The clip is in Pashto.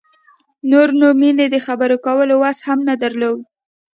نور نو مينې د خبرو کولو وس هم نه درلود.